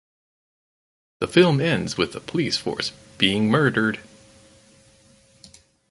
The film ends with the police force being murdered.